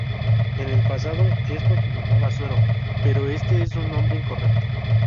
En el pasado, esto se llamaba suero, pero este es un nombre incorrecto.